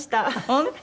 本当？